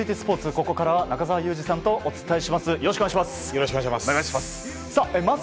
ここからは中澤佑二さんとお伝えします。